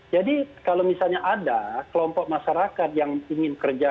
jadi kalau misalnya ada kelompok masyarakat yang ingin kerja